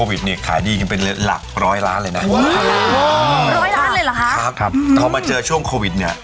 อันนี้เปรี้ยวนวนเป็นอันนี้